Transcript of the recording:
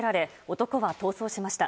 男は逃走しました。